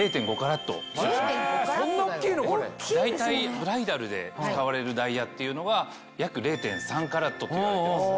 大体ブライダルで使われるダイヤっていうのが約０．３ｃｔといわれてます。